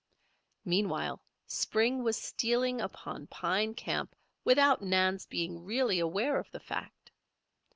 Meanwhile spring was stealing upon Pine Camp without Nan's being really aware of the fact.